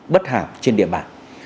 bất hạm trên địa bàn